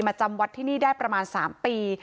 จำวัดที่นี่ได้ประมาณ๓ปี